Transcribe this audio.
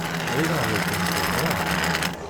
Ɣileɣ dakken teẓram.